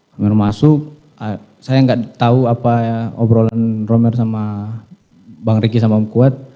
romer masuk saya enggak tahu apa obrolan romer sama bang riki sama mekuat